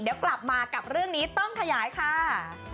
เดี๋ยวกลับมากับเรื่องนี้ต้องขยายค่ะ